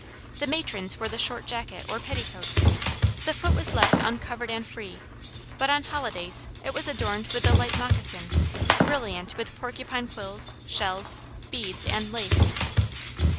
The matrons wore the short jacket or petticoat. The foot was left uncovered and free, but on holidays it was adorned with the light moccasin, brilliant with porcupine quills, shells, beads, and lace.